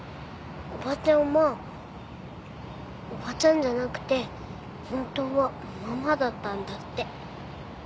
おばちゃんはおばちゃんじゃなくて本当はママだったんだって。